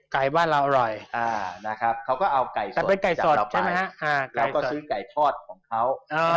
ไก่บ้านเราอร่อยนะครับเขาก็เอาไก่สดจากเราไปแล้วก็ซื้อไก่ทอดของเขา